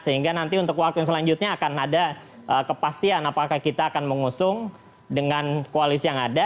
sehingga nanti untuk waktu yang selanjutnya akan ada kepastian apakah kita akan mengusung dengan koalisi yang ada